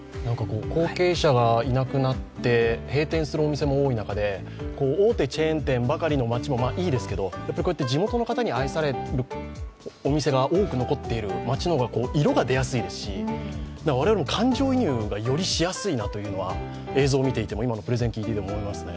後継者がいなくなって閉店するお店も多い中で大手チェーン店ばかりの街もいいですけど地元の方に愛されるお店が多く残っている町の方が色が出やすいですし我々も感情移入がよりしやすいなというのが映像を見ていても、今のプレゼンを聞いていても思いますね。